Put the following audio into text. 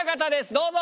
どうぞ。